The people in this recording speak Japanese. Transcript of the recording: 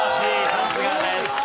さすがです。